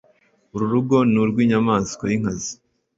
"uru rugo ni urw' inyamaswa y' inkazi,